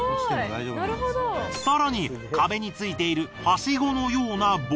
更に壁についているはしごのような棒。